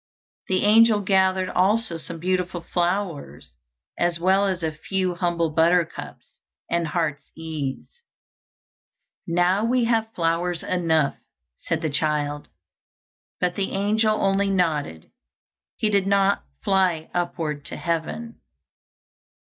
The angel gathered also some beautiful flowers, as well as a few humble buttercups and heart's ease. "Now we have flowers enough," said the child; but the angel only nodded, he did not fly upward to heaven.